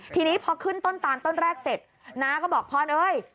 ทีนี้พอขึ้นต้นตานต้นแรกเสร็จน้าก็บอกพรเอ้ย